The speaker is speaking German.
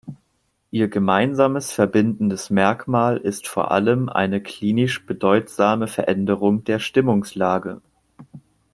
Ihr gemeinsames verbindendes Merkmal ist vor allem eine klinisch bedeutsame Veränderung der Stimmungslage.